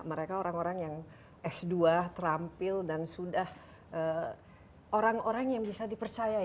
mereka orang orang yang s dua terampil dan sudah orang orang yang bisa dipercayai